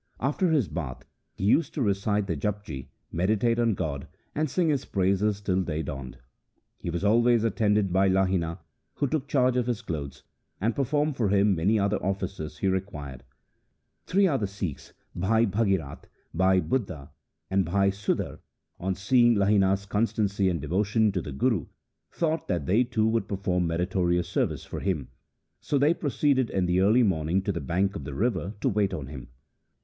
After his bath, he used to recite the Japji, meditate on God, and sing His praises till day dawned. He was always attended by Lahina, who took charge of his clothes, and performed for him any other offices he required. Three other Sikhs — Bhai Bhagirath, Bhai Budha, and Bhai Sudhara — on seeing Lahina's constancy and devotion to the Guru, thought that they too would perform meritorious service for him, so they proceeded in the early morning to the bank of the river to wait on him.